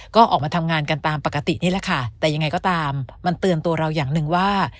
ก็ออกมาทำงานกันตามปกตินี่แหละค่ะแต่ยังไงก็ตามมันเตือนตัวเราอย่างหนึ่งว่า